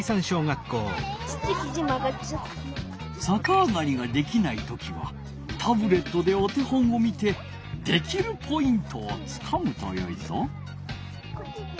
さかあがりができない時はタブレットでお手本を見てできるポイントをつかむとよいぞ。